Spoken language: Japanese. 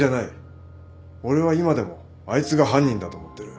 俺は今でもあいつが犯人だと思ってる。